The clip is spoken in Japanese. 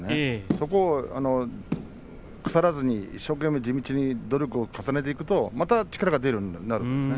そこを腐らずに一生懸命地道に努力を重ねていくとまた力が出るようになるんです。